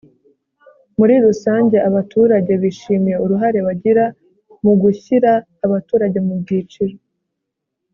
muri rusange abaturage bishimiye uruhare bagira mu gushyira abaturage mu byiciro